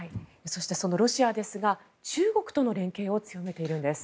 それからロシアですが中国との連携を強めているんです。